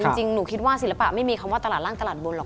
จริงหนูคิดว่าศิลปะไม่มีคำว่าตลาดร่างตลาดบนหรอก